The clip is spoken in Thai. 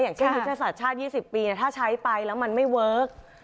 อย่างเช่นยุทธศาสตร์ชาติ๒๐ปีถ้าใช้ไปแล้วมันไม่เวิร์ค